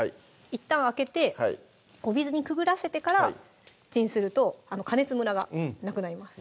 いったん開けてお水にくぐらせてからチンすると加熱むらがなくなります